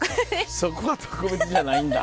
そこは特別じゃないんだ。